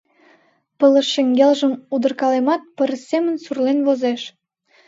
Пылыш шеҥгелжым удыркалемат, пырыс семын сурлен возеш.